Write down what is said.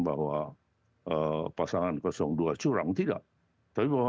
bahwa pasangan dua curang tidak tapi bahwa